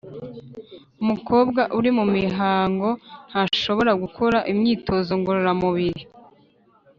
umukobwa uri mu mihango ntashobora gukora imyitozo ngororamubiri